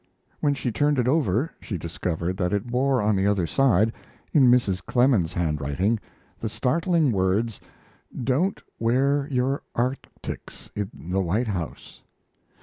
When she turned it over she discovered that it bore on the other side, in Mrs. Clemens' handwriting, the startling words: "Don't wear your arctics in the White House."